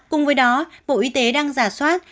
cùng với đó bộ y tế đang giả soát